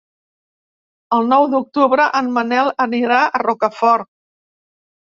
El nou d'octubre en Manel anirà a Rocafort.